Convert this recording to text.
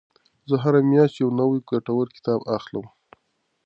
زه هره میاشت یو نوی ګټور کتاب اخلم.